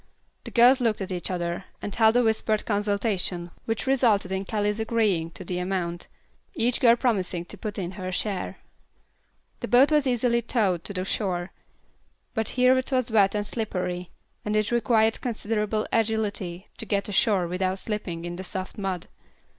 The girls looked at each other, and held a whispered consultation which resulted in Callie's agreeing to the amount, each girl promising to put in her share. The boat was easily towed to the shore; but here it was wet and slippery, and it required considerable agility to get ashore without slipping in the soft mud.